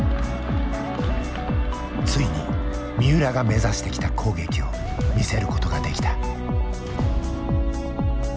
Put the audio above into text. ついに三浦が目指してきた攻撃を見せることができた。